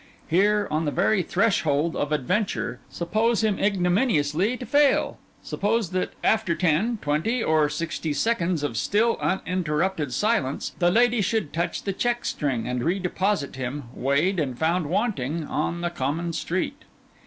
Here, on the very threshold of adventure, suppose him ignominiously to fail; suppose that after ten, twenty, or sixty seconds of still uninterrupted silence, the lady should touch the check string and re deposit him, weighed and found wanting, on the common street!